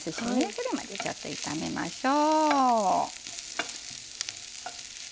それまでちょっと炒めましょう。